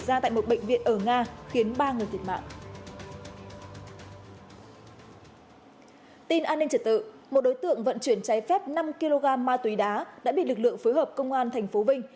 an ninh trở tự một đối tượng vận chuyển cháy phép năm kg ma túy đá đã bị lực lượng phối hợp công an thành phố vinh